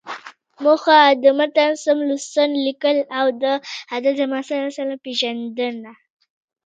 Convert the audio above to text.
موخه: د متن سم لوستل، ليکل او د حضرت محمد ﷺ پیژندنه.